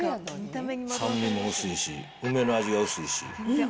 酸味も薄いし、梅の味も薄いし。